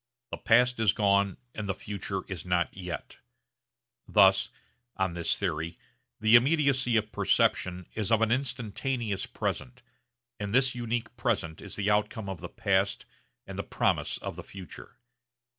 The past is gone and the future is not yet. Thus (on this theory) the immediacy of perception is of an instantaneous present, and this unique present is the outcome of the past and the promise of the future.